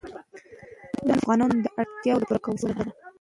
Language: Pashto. منی د افغانانو د اړتیاوو د پوره کولو وسیله ده.